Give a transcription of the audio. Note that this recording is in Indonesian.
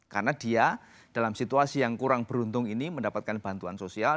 karena dia dalam situasi yang kurang beruntung ini mendapatkan bantuan sosial